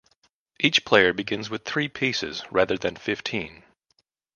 Each player begins with three pieces, rather than fifteen.